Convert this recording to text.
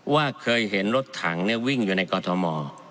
ว่าเคยเห็นรถถังวิ่งอยู่ในกอทม